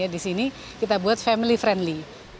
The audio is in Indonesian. di sini kita buat family friendly